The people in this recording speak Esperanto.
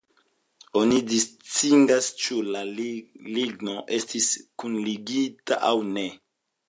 Oni distingas, ĉu la ligno estis kunligita aŭ ne.